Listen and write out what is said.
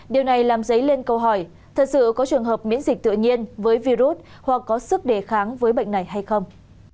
điều này làm dấy lên câu hỏi thật sự có trường hợp miễn dịch tự nhiên với virus hoặc có sức đề kháng với bệnh này hay không